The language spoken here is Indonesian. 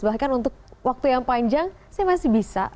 bahkan untuk waktu yang panjang saya masih bisa